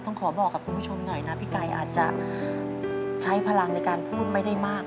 ต้องขอบอกกับคุณผู้ชมหน่อยนะพี่ไก่อาจจะใช้พลังในการพูดไม่ได้มาก